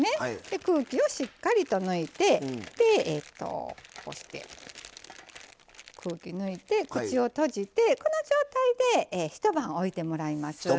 空気をしっかりと抜いて押して空気を抜いて口を閉じてこの状態で一晩、置いてもらいます。